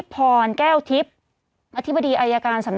ผู้ต้องหาที่ขับขี่รถจากอายานยนต์บิ๊กไบท์